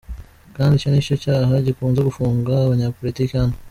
Kandi icyo ni cyo cyaha gikunze gufunga abanyapolitike hano.